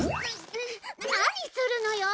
何するのよ！